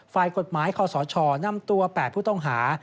ฝ่ายกฎหมายคศนำตัว๘ผู้ต้องหา